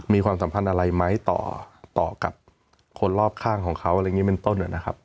ความสัมพันธ์อะไรไหมต่อกับคนรอบข้างของเขาอะไรอย่างนี้เป็นต้นนะครับ